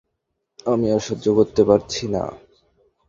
আমি আর সহ্য করতে পারছি না।